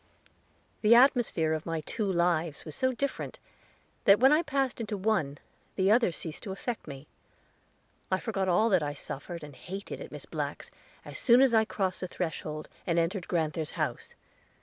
The atmosphere of my two lives was so different, that when I passed into one, the other ceased to affect me. I forgot all that I suffered and hated at Miss Black's, as soon as I crossed the threshold, and entered grand'ther's house.